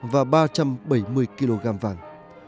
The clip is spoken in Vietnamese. và ba trăm bảy mươi kg vàng